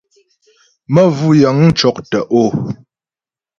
Məvʉ́ yə̂ŋ cɔ́k tə̀'ó.